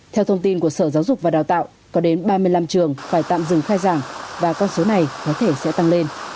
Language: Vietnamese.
theo thông tin của sở giáo dục và đào tạo có đến ba mươi năm trường phải tạm dừng khai giảng và con số này có thể sẽ tăng lên